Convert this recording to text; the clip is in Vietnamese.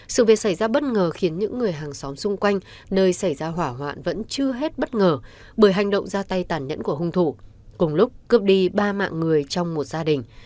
sự việc xảy ra bất ngờ khiến những người hàng xóm xung quanh nơi xảy ra hỏa hoạn vẫn chưa hết bất ngờ bởi hành động ra tay tàn nhẫn của hung thủ cùng lúc cướp đi ba mạng người trong một gia đình